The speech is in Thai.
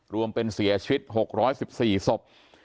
รวมเป็นเสียชีวิต๖๑๔ศพ